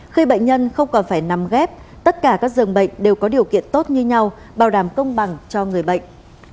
khi bệnh nhân không còn phải nằm ghép tất cả các dường bệnh đều có điều kiện tốt như nhau bảo đảm công bằng cho người bệnh